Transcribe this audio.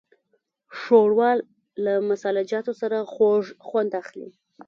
ښوروا له مسالهجاتو سره خوږ خوند اخلي.